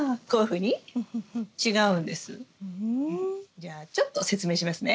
じゃあちょっと説明しますね。